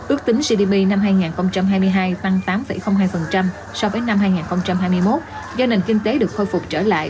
ước tính gdp năm hai nghìn hai mươi hai tăng tám hai so với năm hai nghìn hai mươi một do nền kinh tế được khôi phục trở lại